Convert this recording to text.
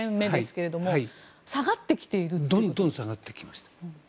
どんどん下がってきました。